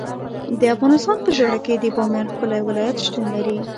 د افغانستان په زړه کې د بامیان ښکلی ولایت شتون لري.